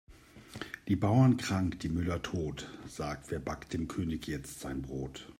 Die Bauern krank, die Müller tot, sagt wer backt dem König jetzt sein Brot?